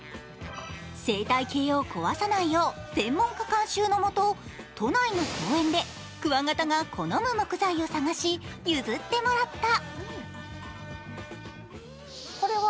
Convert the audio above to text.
生態系を壊さないよう、専門家監修のもと、都内の公園でクワガタが好む木材を探し譲ってもらった。